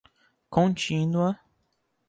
contínua